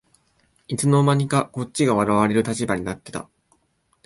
いつの間にかこっちが笑われる立場になってた